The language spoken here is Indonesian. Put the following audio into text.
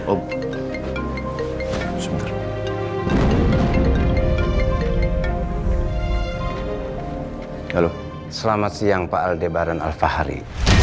halo selamat siang pak aldebaran alfahari